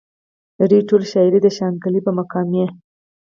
د دوي ټوله شاعري د شانګلې پۀ مقامي